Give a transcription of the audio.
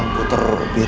gak ada siapa siapa